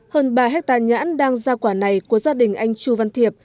hơn ba hectare nhãn đang ra quả này của gia đình anh chu văn thiệp